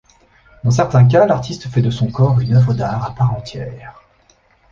Dans certains cas, l'artiste fait de son corps une œuvre d'art à part entière.